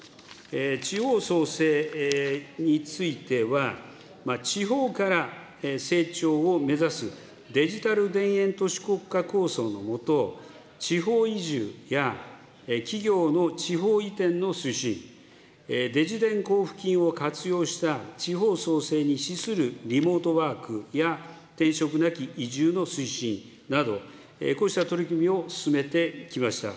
地方創生については、地方から成長を目指すデジタル田園都市国家構想の下、地方移住や、企業の地方移転の推進、Ｄｉｇｉ田交付金を活用した地方創生に資するリモートワークや、転職なき移住の推進など、こうした取り組みを進めてきました。